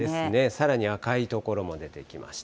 さらに赤い所も出てきました。